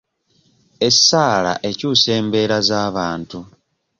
Essaala ekyusa embeera z'abantu.